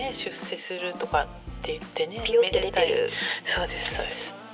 「そうですそうです」。